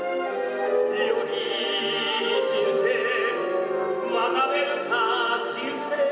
「よりいい人生学べるか人生」